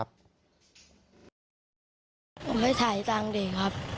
ผมไปถ่ายตังค์ดีครับ